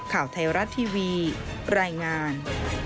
ข่าวไทยรัฐทีวีรายงาน